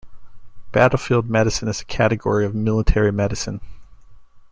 Battlefield medicine is a category of military medicine.